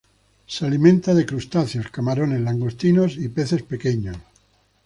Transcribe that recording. Se alimenta de crustáceos, camarones, langostinos y peces pequeños.